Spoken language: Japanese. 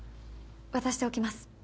渡しておきます。